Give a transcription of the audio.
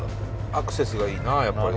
アクセスがいいなあやっぱり。